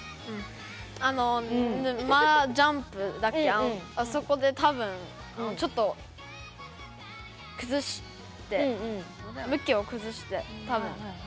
あのあそこで多分ちょっと崩して向きを崩して多分。